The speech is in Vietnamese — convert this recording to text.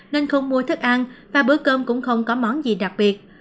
nên không mua thức ăn và bữa cơm cũng không có món gì đặc biệt